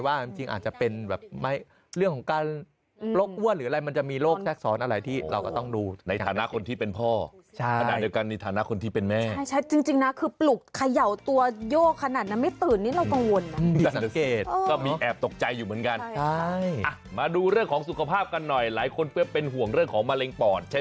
ว่าอาจจะเป็นเรื่องของการลกอ้วนหรืออะไร